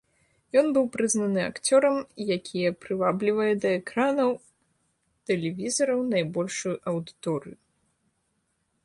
Ён быў прызнаны акцёрам, якія прываблівае да экранаў тэлевізараў найбольшую аўдыторыю.